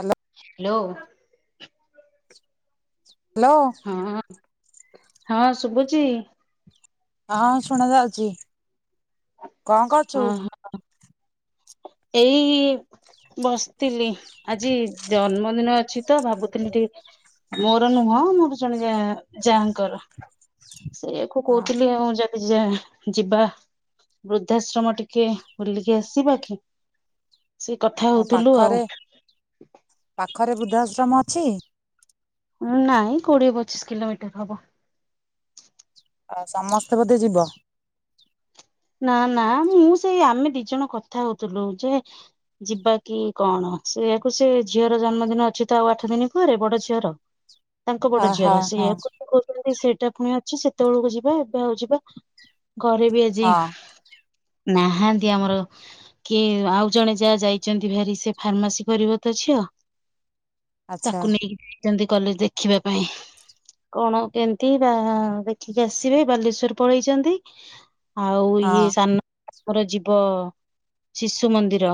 Hello. Hello. Hello. ହଁ ହଁ ଶୁବୁଚି। ହଁ ଶୁଣାଯାଉଚି। ହଁ। [inaudible] ଏଇ ବସିଥିଲି ଆଜି ଜନ୍ମଦିନ ଅଛି ତ ଭାବୁଥିଲି ଟିକେ ମୋର ନୁହଁ ମୋର ଜଣେ ଯା ଯାଆଙ୍କର। [unintelligible] କ ହଁ କହୁଥିଲି ଆଉ ଯେବ୍ ଯା ଯିବା। ବୃଦ୍ଧାଶ୍ରମ ଟିକେ ବୁଲିକି ଆସିବା କି? ସେ କଥା ହଁ ହଉଥିଲୁ ଆଉ ପାଖରେ ପାଖରେ ବୃଦ୍ଧାଶ୍ରମ ଅଛି? ଉ ନାଇଁ କୋଡିଏ ପଚିସି କିଲୋମିଟର ହବ। ଆଉ ସମସ୍ତେ ବୋଧେ ଯିବ ନା ନା ମୁଁ ସେଇ ଆମେ ଦି ଜଣ କଥା ହଉଥିଲୁ ଯେ ଯିବା କି କଣ ସେୟାକୁ ସେ ଝିଅର ଜନ୍ମଦିନ ଅଛି ତ ଆଉ ଆଠ ଦିନ ପରେ ବଡ ଝିଅର [inaudible] ତାଙ୍କ ବଡ ଓହୋ ଝିଅର ହଁ ହଁ ସେୟା କୁ କହୁ ସେଇଟା ପୁଣି ଅଛି ସେତେବେଳକୁ ଯିବା ଏବେ ଆଉ ଯିବା ଘରେ ବି ଆଜି ହଁ ନାହାନ୍ତି ଆମର କି ଆଉ ଜଣେ ଯାହା ଯାଇଛନ୍ତି ଭାରି ସେ ଫାର୍ମାସି କରିବ ତ ଝିଅ ଆଚ୍ଛା ତାକୁ ନେଇକି ଯାଇଛନ୍ତି କଲେଜ ଦେଖିବା ପାଇଁ କଣ କେମିତି ବା ଦେଖିକି ଆସିବେ ବାଲେଶ୍ଵର ପଳେଇଛନ୍ତି। ଆଉ ଇଏ ହଁ ସାନଙ୍କର ଯୀବ ଶିଶୁ ମନ୍ଦିର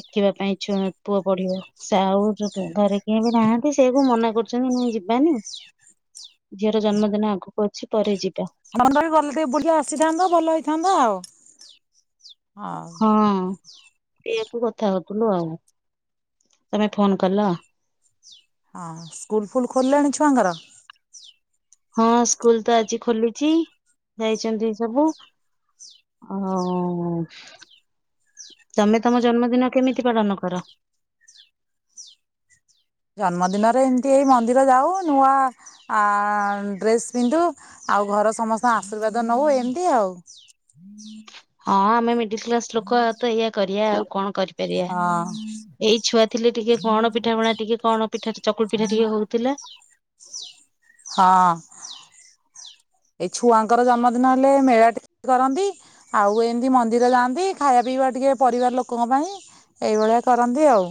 ଦେଖିବା ପାଇଁ ଛୁଆ ପୁଅ ପଢିବ ସେଉ ଘରେ କିଏ ବି ନାହାନ୍ତି ସେ କ ମନା କରୁଛନ୍ତି ନା ଯିବାନି ଝିଅର ଜନ୍ମଦିନ ଆଗକୁ ଅଛି ପରେ ଯିବା [unintelligible] ଗଲେ ଟିକେ ବୁଲିକି ଆସିଥାନ୍ତତା ଭଲ ହେଇଥାନ୍ତତା ଆଉ ହଉ। ହଁ ସେଇଆକୁ କଥା ହଉଥିଲୁ ଆଉ ତମେ ଫୋନ କଲ। ହଁ ସ୍କୁଲ୍ ଫୁଲ୍ ଖୋଲିଲାଣି ଛୁଆଙ୍କର ହଁ ସ୍କୁଲ ତ ଆଜି ଖୋଲିଛି ଯାଇଛନ୍ତି ସବୁ ଆ ହୋ ତମେ ତମ ଜନ୍ମଦିନ କେମିତି ପାଳନ କର? ଜନ୍ମଦିନରେ ଏମିତି ଏଇ ମନ୍ଦିର ଯାଉ ନୂଆ ଆ ଡ୍ରେସ୍ ପିନ୍ଧୁ ଆଉ ଘର ସମସ୍ତଙ୍କ ଆଶୀର୍ବାଦ ନୋଉ ଏମିତି ଆଉ ହୁଁ ହଁ ଆମେ ମିଡିଲ କ୍ଲାସ ଲୋକ ତ ଇଆ କରିବା ଆଉ କଣ କର ପେରିଆ ହଁ ଏଇ ଛୁଆ ଥିଲେ ଟିକେ କଣ ଟିକେ କଣ ପିଠା ଚକୁ ପିଠା ଟିକେ ହଉ କହୁଥିଲେ ହଁ ଏଇ ଛୁଆଙ୍କର ଜନ୍ମଦିନ ହେଲେ ମେଳା ଟିକେ କରନ୍ତି। ଆଉ ଏମିତି ମନ୍ଦିର ଯାଆନ୍ତି ଖାଇବା ପିଇବା ଟିକେ ପରିବାର ଲୋକଙ୍କ ପାଇଁ ଏଇଭଳିଆ କରନ୍ତି ଆଉ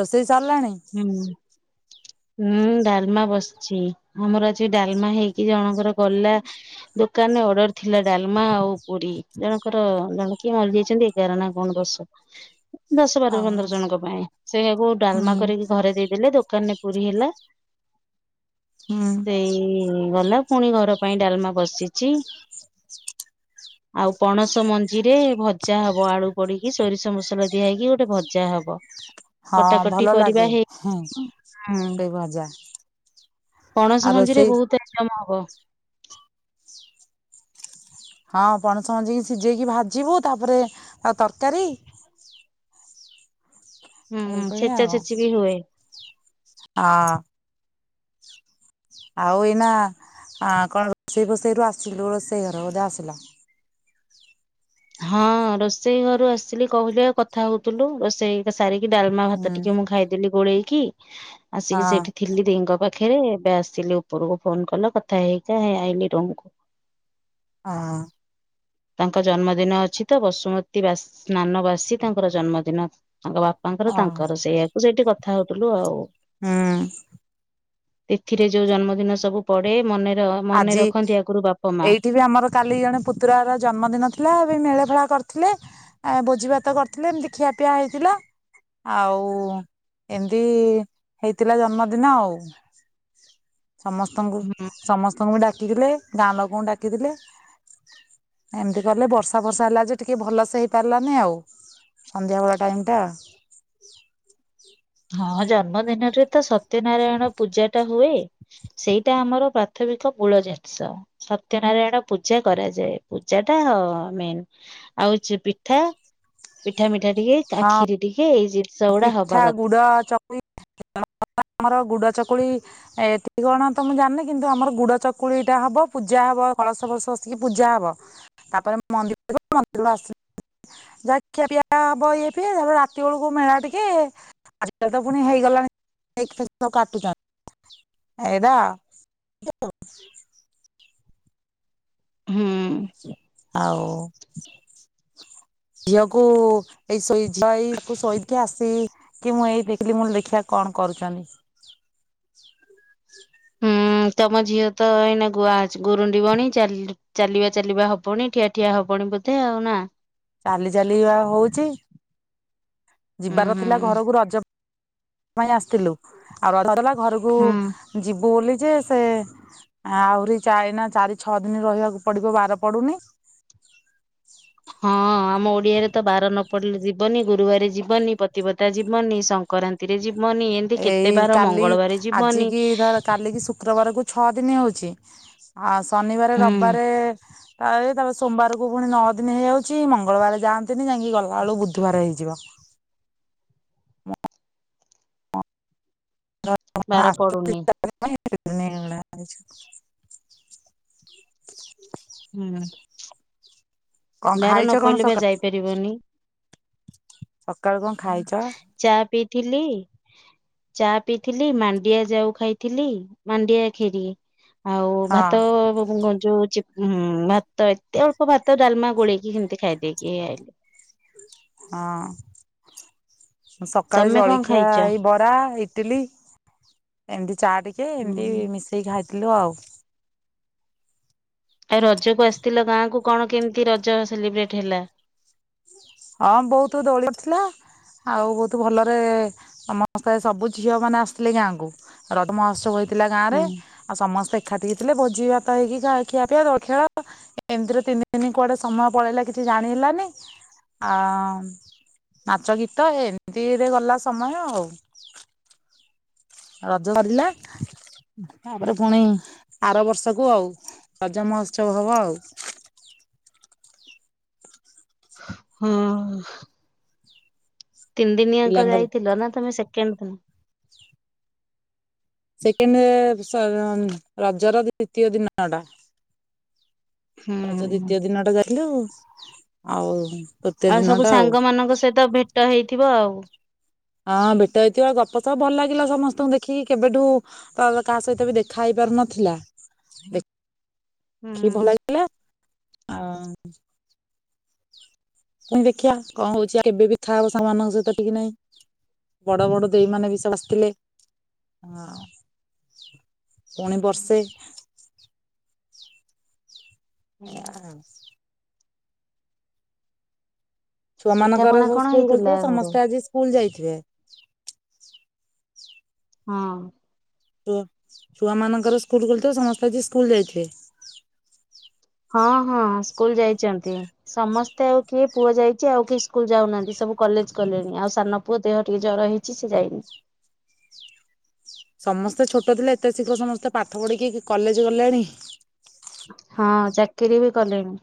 ରୋଷେଇ ସରିଲାଣି? ହୁଁ ହୁଁ ଡାଲମା ବସିଛି ଆମର ଆଛି ଡାଲମା ହେଇକି ଜଣଙ୍କର ଗଲା ଦୋକାନରେ ଅର୍ଡର ଥିଲା ଡାଲମା ଆଉ ପୁରୀ ଜଣଙ୍କର ଜଣେ କିଏ ମରିଯାଇଛନ୍ତି ଏଗାର ନା କଣ ଦୋଷ ସେ [unintelligible] ଦଶ ବାର ପନ୍ଦର ଜଣଙ୍କ ପାଇଁ ସେଇୟାକୁ ହୁଁ ଡାଲମା କରିକି ଘରେ ଦେଇଦେଲେ ଦୋକାନରେ ପୁରୀ ହେଲା ହୁଁ ସେଇ ଗଲା ପୁଣି ଘର ପାଇଁ ଡାଲମା ବସିଛି। [inaudible] ଆଉ ପଣସ ମଞ୍ଜିରେ ଭଜା ହବ ଆଳୁ ପଡିକି ସୋରିଷ ମସଲା ଦିଆ ହେଇକି ଗୋଟେ ଭଜା ହବ। ହଁ କଟାକଟି ଭଲ ପରିବା ଲାଗେ ହେଇ ହେଁ ହୁଁ ସେଇ ଭଜା ଆଉ ରୋସେଇ କାମ ହବ ହଁ ପଣସ ମଞ୍ଜିକି ସିଝେଇକି ଭାଜିବୁ ତାପରେ ଆଉ ତରକାରୀ ହୁଁ ହୁଁ ଏଇଭଳିଆ ଛେଚା ଆଉ ହଁ ଛେଚି ବି ହୁଏ। ଆଉ ଏଇନା ଆ କଣ ରୋଷେଇ ଫୋଷେଇ ରୁ ଆସିଲୁ ରୋଷେଇ ଘର ବୋଧେ ଆସିଲା ହଁ ରୋଷେଇ ଘରୁ ଆସିଲି କହିଲି କଥା ହଉଥିଲୁ ରୋଷେଇ ସାରିକି ଡାଲମା ହୁଁ ଭାତ ଟିକେ ମୁଁ ଖାଇଦେଲି ଗୋଳେଇକି ହଁ ଆସିକି ସେଇଠି ଥିଲି ଦେଇ ଙ୍କ ପାଖରେ ଏବେ ଆସିଲି ଉପରକୁ ଫୋନ କଲ କଥା ହେଇ ହେଇକା ହେଇ ଆଇଲିି ରୁମ କୁ। ହଁ ‌। ତାଙ୍କ ଜନ୍ମ ଦିନ ଅଛି ତ ବସୁମତୀ ବାସ ସ୍ନାନ ବାସୀ ତାଙ୍କର ଜନ୍ମଦିନ ତାଙ୍କ ବା ବାପା ଙ୍କର ହଁ ତାଙ୍କର ସେଇଆକୁ ସେଇଠି କଥା ହଉଥିଲୁ ଆଉ। ହୁଁ। ଏଥିରେ ଯୋଉ ଜନ୍ମଦିନ ସବୁ ପଡେ ମନେର ମନେ ଆଜି ରଖନ୍ତି ଆଗରୁ ବାପା ମା। ଏଇଠି ବି ଆମର କାଲି ଜଣେ ପୁତୁରା ର ଜନ୍ମଦିନ ଥିଲା ସେ ପାଇଁ ମେଳା ଫେଳା କରିଥିଲେ। ଆଉ ଭୋଜି ଭାତ କରିଥିଲେ ଏମିତି ଖିଆପିଆ ହେଇଥିଲା। ଆଉ ଏମିତି ହେଇଥିଲା ଜନ୍ମଦିନ ଆଉ। ସମସ୍ତଙ୍କୁ ହୁଁ ସମସ୍ତଙ୍କୁ ବି ଡାକିଥିଲେ ଗାଁ ଲୋକଙ୍କୁ ଡାକିଥିଲେ। ଏମତି କଲେ ବର୍ଷା ବର୍ଷା ହେଲା ଯେ ଟିକେ ଭଲସ ହେଇ ପାରିଲାନି ଆଉ। ସନ୍ଧ୍ୟା ବେଳେ ଟାଇମ୍ ଟା। ହଁ ଜନ୍ମ ଦିନରେ ତ ସତ୍ୟ ନାରାୟଣ ପୂଜା ଟା ହୁଏ। ସେଇଟା ଆମର ପ୍ରାଥମିକ ମୂଳ ଜିନିଷ। ସତ୍ୟ ନାରାୟଣ ପୂଜା କରାଯାଏ ପୂଜା ଟା ମେନ୍। ଆଉ ହଉଚି ପିଠା ପିଠା ମିଠା ଟିକେ କା ହଁ ଖିରି ଟିକେ ଏଇ ଯି ପିଠା ଗୁଡ଼ ଚକୁଳି ଆମର ଗୁଡ଼ ଚକୁଳି। ଏଠି କଣ ତ ମୁଁ ଜାଣିନି କିନ୍ତୁ ଆମର ଗୁଡ ଚକୁଳିଟା ହବ ପୂଜା ହବ କଳସ ଫଳସ ବସିକି ପୂଜା ହବ। ତା ପରେ ଆମେ ମନ୍ଦିର ଯିବୁ ମନ୍ଦିର ରୁ ଆସି। ଯାହା ଖିଆ ପିଆ ହବ ଇଏ ଫିଏ ତାପରେ ରାତି ବେଳକୁ ମେଳା। ଟିକେ ଆଜିକାଲି ତ ପୁଣି ହେଇ ଗଲାଣି କେକ୍ ଫେକ୍ ସବୁ କାଟୁଛନ୍ତି। ଏଇଦା। ହ ହୁଁ। ଆଉ। ଝିଅକୁ ଏଇ ଶୋଇ ଝିଅ ଏଇ ତାକୁ ଶୋଇକି ଆସି। କି ମୁଁ ଏଇ ଦେଖିଲି ମୁଁ କଇଲି ଦେଖିବା କଣ କରୁଛନ୍ତି। ହଁ ତମ ଝିଅ ତ ଏଇନା ଗୁଆ ଗୁରୁଣ୍ଡି ବଣୀ ଚାଲି। ଚାଲିବା ଚାଲିବା ହବଣି ଠିଆ ଠିଆ ହବଣି ବୋଧେ ଆଉ ନା। ଚାଲି ଚାଲିବା ହଉଛି ହୁଁ ଯିବାର ଥିଲା ହୁଁ ଘରକୁ ରଜ। ପାଇଁ ଆସିଥିଲୁ ଆଉ ରଜ ସରିଲା ଘରକୁ ହୁଁ ଯିବୁ ବୋଲି ଯେ ସେ। ଆହୁରି ଚା ଏଇନା ଚାରି ଛଅ ଦିନ ରହିବାକୁ ପଡିବ ବାର ପଡୁନି। ହଁ ଆମ ଓଡିଆ ରେ ତ ବାର ନ ପଡିଲେ ଯିବନି ଗୁରୁବାର ଯିବନି ପତିିବତା ଯିବନି ସଂ। କରାନ୍ତି ରେ ଯିବନି ଏମ ଏଇ କାଲି ଆଜି କିି ଧର କାଲ କିି ଶୁକ୍ରବାରକୁ। ଛଅ ଦିନି ହଉଛି ଆଉ ଶନିବାରେ ହୁଁ ରବିବାରେ। ତା ରେ ତାପରେ ସୋମବାର କୁ ପୁଣି ନଅ ଦିନ ହେଇ ଯାଉଛି ମଙ୍ଗଳ ବାରେ ଯାଆନ୍ତିନି ଯାଇଁକି ଗଲାବେଳକୁ ବୁଧବାର ହେଇଯିବ। ବାର ପଡୁନି [unintelligible] ହୁଁ କଣ ବାର ଖାଇଛ ନ କଣ ପଇଲେ ବା ସକାଳୁ ଯାଇ ପାରିବନି। ସକାଳୁ କଁ ଖାଇଛ। ଚା ପିଇଥିଲି। ଚା ପିଇଥିଲି ମାଣ୍ଡିଆ ଯାଉ ଖାଇଥିଲି ମାଣ୍ଡିଆ ଖରି। ଆଉ ହଁ ଭାତ ଗ ଯୋଉୁଁ ଚି କ୍ ଭାତ ଏତେ ଅଳ୍ପ ଭାତ ଡାଲମା ଗୋଳେଇକି ସେମିତି ଖାଇ ଦେଇକି ହେଇ ଆଇଲି। ହଁ। ହଁ ସକାଳେ ତମେ କଣ ଜଳଖିଆ ଖାଇଛ? ଏଇ ବରା ଇଟିଲି। ଏମତି ଚା ଟିକେ ହୁଁ ଏମିତି ମିଶେଇକି ଖାଇଥିଲୁ ଆଉ। ଆଉ ରଜ କୁ ଆସି ଥିଲ ଗାଁ କ କଣ କେମିତି ରଜ ସେଲିବ୍ରେଟ ହେଲା। ହଁ ବହୁତ ଦୋଳି ଥିଲା। ଆଉ ବହୁତ୍ ଭଲରେ ସମସ୍ତେ ସବୁ ଝିଅମାନେ ଆସିଥିଲେ ଗାଁକୁ। ରଜ ମହୋତ୍ସବ ହୋଇଥିଲା ଗାଁ ରେ। ହୁଁ ଆଉ ସମସ୍ତେ ଏକାଠି ହେଇଥିଲେ। ଭୋଜି ଭାତ ହେଇକି ଖା ଖିଆ ପିଆ ଦୋଳି ଖେଳ ଏମିତିରେ ତିନି ଦିନି କୁଆଡେ ସମୟ ପଳେଇଲା କିଛି ଜାଣି ହେଲାନି। ଆ ନାଚ ଗୀତ ଏମିତିରେ ଗଲା ସମୟ ଆଉ। ରଜ ସରିଲା। ତାପରେ ପୁଣି ଆର ବର୍ଷକୁ ଆଉ ରଜ ମହୋତ୍ସବ ହବ ଆଉ। ହଁ। ତିନି ଦିନି ଆଙ୍କ ପିଲାଙ୍କର ଯାଇଥିଲ ନା ତମେ ସେକେଣ୍ଡ ଦିନ? ସେକେଣ୍ଡ ରଜର ଦ୍ଵିତୀୟ ଦିନ ଟା। ହୁଁ ରଜ ଦ୍ଵିତୀୟ ଦିନ ଟା ଯାଇଥିଲୁ। ଆଉ ତୃତୀୟ ଆଉ ଦିନ ସବୁ ଟା ସାଙ୍ଗ ମାନଙ୍କ ସହିତ ଭେଟ ହେଇଥିବ ଆଉ। ହଁ ଭେଟ ହେଇଥିବ ଗପ ସପ ଭଲ ଲାଗିଲା ସମସ୍ତଙ୍କୁ ଦେଖିକି କେବେଠୁ ତ କାହା ସହିତ ବି ଦେଖା ହେଇ ପାରୁନଥିଲା। ଦେଖି କି ଭଲ ହୁଁ ଲାଗିଲା। ଆଉ ପୁଣି ଦେଖିଆ କଣ ହଉଚି କେବେ ଦେଖା ହବ ସାଙ୍ଗ ମାନଙ୍କ ସହିତ ଠିକ୍ ନାଇଁ। ବଡ ବଡ ଦେଇ ମାନେ ବି ସବୁ ଆସିଥିଲେ। ହଁ। ପୁଣି ବର୍ଷେ ହୁଁ ହଁ ଛୁଆ ମାନଙ୍କର ପିଠାପଣା ସବୁ କଣ ସ୍କୁଲ ହେଇଥିଲା ଖୋଲିଥିବ ଘରେ? ସମସ୍ତେ ଆଜି ସ୍କୁଲ ଯାଇଥିବେ। ହଁ। ଛୁଆ ମାନଙ୍କର ସ୍କୁଲ ଖୋଲିଥିବ ସମସ୍ତେ ଆଜି ସ୍କୁଲ ଯାଇଥିବେ। ହଁ ହଁ ସ୍କୁଲ ଯାଇଚନ୍ତି। ସମସ୍ତେ ଆଉ କିଏ ପୁଅ ଯାଇଚି ଆଉ କିଏ ସ୍କୁଲ ଯାଉନାହାନ୍ତି। ସବୁ କଲେଜ୍ ଗଲେଣି। ଆଉ ସାନ ପୁଅ ଦେହ ଟିକେ ଜର ହେଇ ଅଛି ସେ ଯାଇନି। ସମସ୍ତେ ଛୋଟ ଥିଲେ ଏତେ ଶୀଘ୍ର ସମସ୍ତେ ପାଠ ପଢିକି କଲେଜ୍ ଗଲେଣି। ହଁ ଚାକିରି ବି କଲେଣି।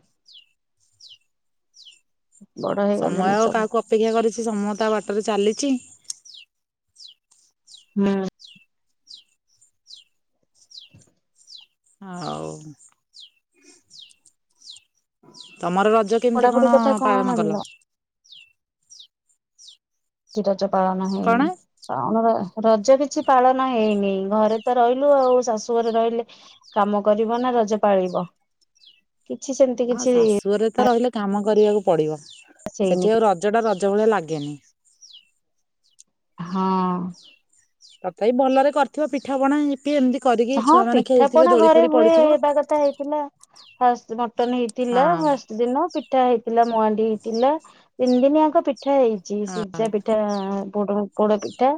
ବଡ ସମୟ ହେଇଗଲେଣି ଆଉ ସବୁ କାହାକୁ ଅପେକ୍ଷା କରିଚି ସମୟ ତା ବାଟରେ ଚାଲିଚି। ହଁ। ଆଉ ତମର ରଜ କେମିତି ପଢାପଢି କଣ କଥା ପାଳନ କଲ? ହେଲା କିଛି ରଜ ପାଳନ କଣ ହେଇନି। [unintelligible] ରଜ କିଛି ପାଳନ ହେଇନି। ଘରେ ତ ରହିଲୁ ଆଉ ଶାଶୁ ଘରେ ରହିଲେ କାମ କରିବ ନା ରଜ ପାଳିବ। କିଛି ସେମିତି କିଛି [unintelligible] ତ ରହିଲେ କାମ କରିବାକୁ ପଡ଼ିବ ହେଇନି। ସେଠି ଆଉ ରଜଟା ରଜ ଭଳିଆ ଲାଗେନି। ହଁ। ତଥାପି ଭଲରେ କରିଥିବ ପିଠାପଣା ଏଇ କିଏ ଏମତି କରି ହଁ ପିଠା ପଣା ଘରେ ହୁଏ। ହେବା କଥା ହେଇଥିଲା। ଫାଷ୍ଟ ମଟନ ହଁ ହେଇଥିଲା ଫାଷ୍ଟ ଦିନ। ପି ପିଠା ହେଇଥିଲା ମୁଆଣ୍ଡି ହେଇଥିଲା। ତିନି ଦିନିଆଙ୍କ ପି ପିଠା ହେଇଚି। ହଁ ସିଝା ପିଠା ପୋଡ଼ ପୋଡ ପିଠା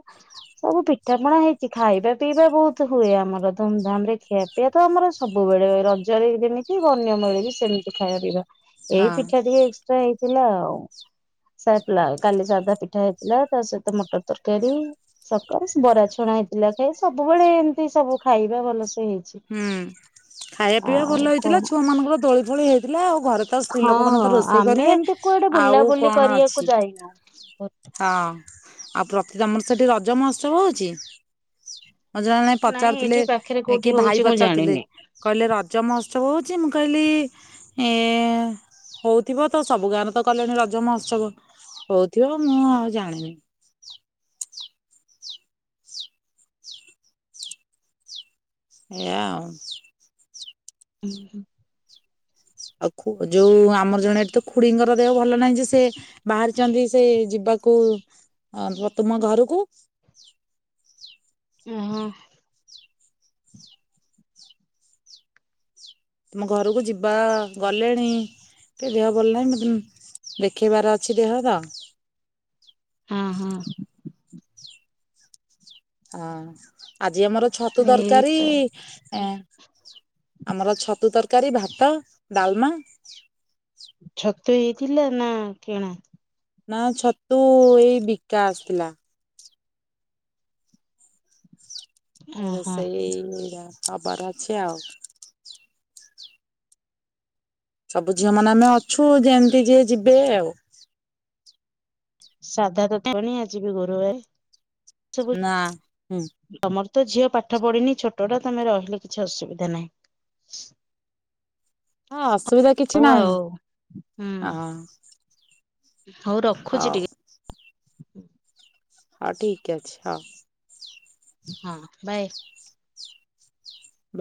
ସବୁ ପିଠା ପଣା ହେଇଚି। ଖାଇବା ପିଇବା ବହୁତ ହୁଏ ଆମର। ପୁରା ଧୁମଧାମ ରେ ଖିଆପିଆ ତ ଆମର ସବୁବେଳେ। ରଜରେ ଯେମିତି ଅନ୍ୟ ବେଳେ ବି ସେମିତି ଖାଇବା ପିଇବା। ଏଇ ହଁ ପିଠା ଟିକେ ଏକ୍ସଟ୍ରା ହେଇଥିଲା ଆଉ। [unintelligible] କାଲି ସାଧା ପିଠା ହେଇଥିଲା, ତା ସହିତ ମଟର ତରକାରୀ। ସକାଳୁ ବରା ଛଣା ହେଇଥିଲା। ଖାଇ ସବୁବେଳେ ଏମିତି ସବୁ ଖାଇବା ଭଲସେ ହେଇ ହୁଁ। ଖାଇବା ପିଇବା ଭଲ ହେଇଥିଲା। କଣ ଛୁଆ ମାନଙ୍କର ଦୋଳି ଫୋଳି ହେଇଥିଲା। ଆଉ ଘରେ ତ ସ୍ତ୍ରୀ ହଁ ଲୋକ ମାନ ତ ରୋଷେଇ ଆମେ କରିବେ। ଏମିତି କୁଆଡେ ଆଉ ବୁଲାବୁଲି କଣ କରିବାକୁ ଅଛି। ଯାଇନୁ। ହଁ ଆଉ ପ୍ରତି ତମର ସେଠି ରଜ ମହୋତ୍ସବ ହଉଚି? ଜଣେ ନାଇଁ ପଚାରୁଥିଲେ ଏଠି ପାଖରେ କୋଉଠି କିଏ ହଉଛି ଭାଇ ମୁଁ ପଚାରୁଥିଲେ ଜାଣିନି। କହିଲେ ରଜ ମହୋତ୍ସବ ହଉଛି ମୁଁ କହିଲି ଏଁ ହଉଥିବ ତ ସବୁ ଗାଁରେ ତ କଲେଣି ରଜ ମହୋତ୍ସବ। ହଉଥିବ ମୁଁ ଆଉ ଜାଣିନି। ଏଆ। ଉଁ ହୁଁ। ଆଉ ଯୋଉ ଆମର ଜଣେ ଏଠି ତ ଖୁଡିଙ୍କର ଦେହ ଭଲ ନାହିଁ ଯେ ସେ ବାହାରିଚନ୍ତି ସେ ଯିବାକୁ ତୁମ ଘରୁକୁ ହଁ। ତମ ଘରକୁ ଯିବା ଗଲେଣି ତ ଦେହ ଭଲ ନାହିଁ ମ ଦେଖେଇବାର ଅଛି ଦେହ ତ। ହଁ ହଁ। ହଁ ଆଜି ଆମର ଛତୁ ତରକାରୀ ଏଇତ ଏ ଆମର ଛତୁ ତରକାରୀ, ଭାତ, ଡାଲମା। ଛତୁ ଏଇଥିଲା ନା କିଣା? ନା ଛତୁ ଏଇ ବିକା ଆସିଥିଲା। ଓହୋ ରୋଷେଇ ହବାର ଅଛି ଆଉ। ସବୁ ଝିଅ ମାନେ ଆମେ ଅଛୁ ଯେମିତି ଯିଏ ଯିବେ ଆଉ। ସାଧା ତଟଣି ଆଜି ବି ଗୁରୁବାରେ। ନା ହୁଁ। ତମର ତ ଝିଅ ପାଠ ପଢିନି ଛୋଟ ଟା ତମେ ରହିଲେ କିଛି ଅସୁବିଧା ନାହିଁ। ହଁ ଅସୁବିଧା କିଛି ହଉ ନାହିଁ, ଆଉ ହୁଁ ହଁ। ହଉ ରଖୁଛି ହଉ ଟିକେ। ହ ଠିକ୍ ଅଛି ହ। ହଁ ବାଏ।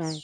ବାଏ।